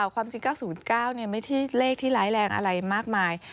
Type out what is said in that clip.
ความจริง๙๐๙ไม่ใช่เลขที่ร้ายแรงอะไรมากมาย